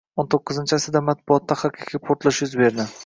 O'n to'qqizinchi asrda matbuotda haqiqiy «portlash» yuz berdi